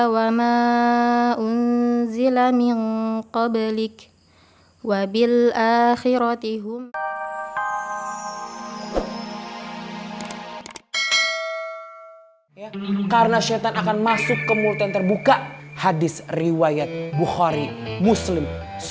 wa bil akhiratihum